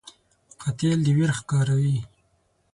قاتل د ویر ښکاروي